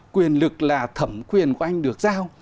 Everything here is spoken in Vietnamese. quyền lực là thẩm quyền của anh được giao